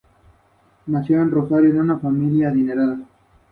El Duque Juan Federico continuó jurando lealtad a la unión.